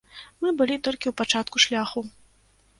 Мы былі толькі ў пачатку шляху.